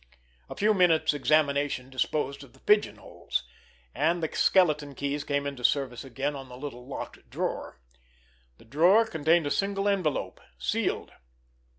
A few minutes' examination disposed of the pigeon holes—and the skeleton keys came into service again on a little locked drawer. The drawer contained a single envelope, sealed.